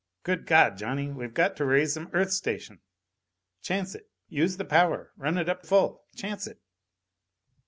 "Good God, Johnny, we've got to raise some Earth station! Chance it! Use the power run it up full. Chance it!"